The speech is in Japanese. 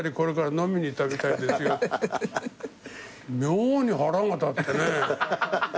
妙に腹が立ってね。